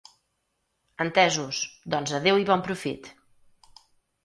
Entesos, doncs adéu i bon profit!